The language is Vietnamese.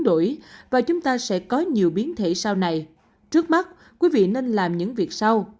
đổi và chúng ta sẽ có nhiều biến thể sau này trước mắt quý vị nên làm những việc sau